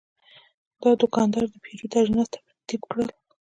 دا دوکاندار د پیرود اجناس ترتیب کړل.